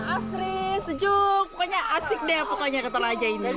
astri sejuk pokoknya asik deh pokoknya ketelaja ini